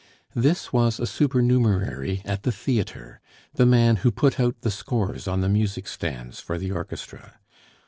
This was a supernumerary at the theatre, the man who put out the scores on the music stands for the orchestra.